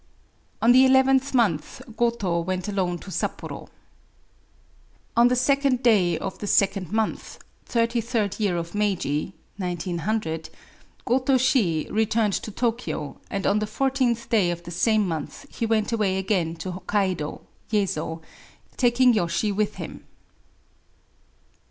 In the eleventh month Goto went alone to Sapporo. On the second day of the second month, thirty third year of Meiji , Goto Shi returned to Tokyo; and on the fourteenth day of the same month he went away again to the Hokkaido [jK>z^], taking Yoshi with him.